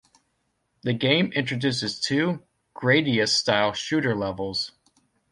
The game introduces two "Gradius"-style shooter levels.